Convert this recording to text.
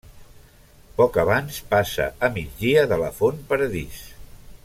Poc abans passa a migdia de la Font Paradís.